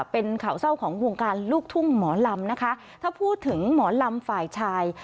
เป็นข่าวเศร้าของวงการลูกทุ่งหมอลำนะคะถ้าพูดถึงหมอลำฝ่ายชาย